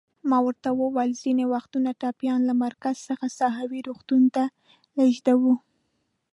ما ورته وویل: ځینې وختونه ټپیان له مرکز څخه ساحوي روغتون ته لېږدوو.